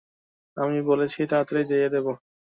আমি বলেছি তাড়াতাড়ি দিয়ে দিব।